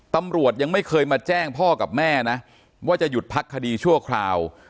ตำรวจยังไม่เคยมาแจ้งพ่อกับแม่นะว่าจะหยุดพักคดีชั่วคราว